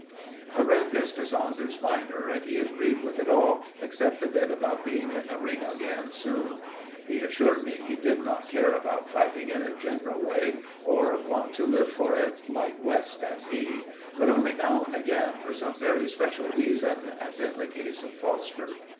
I read this to Saunders minor, and he agreed with it all, except the bit about being in the ring again soon. He assured me he did not care about fighting in a general way, or want to live for it, like West and me, but only now and again for some very special reason, as in the case of Foster.